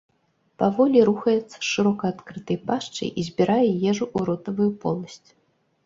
Паволі рухаецца з шырока адкрытай пашчай і збірае ежу ў ротавую поласць.